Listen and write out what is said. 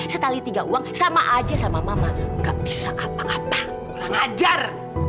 sebelas dua belas setali tiga uang sama aja sama mama nggak bisa apa apa kurang ajar